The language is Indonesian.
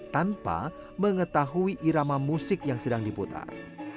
tanpa mengetahui irama musik yang sedang diputar